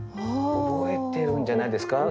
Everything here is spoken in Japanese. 覚えてるんじゃないですか？